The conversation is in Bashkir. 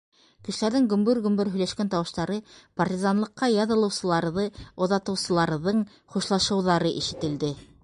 Кешеләрҙең гөмбөр-гөмбөр һөйләшкән тауыштары, партизанлыҡҡа яҙылыусыларҙы оҙатыусыларҙың хушлашыуҙары ишетелде.